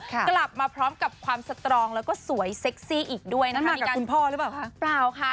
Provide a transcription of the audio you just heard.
กลับมาพร้อมกับความสตรองแล้วก็สวยเซ็กซี่อีกด้วยนะคะ